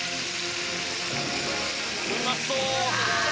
うまそう！